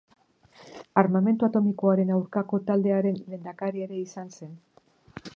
Armamentu atomikoaren aurkako taldearen lehendakari ere izan zen.